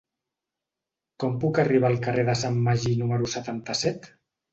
Com puc arribar al carrer de Sant Magí número setanta-set?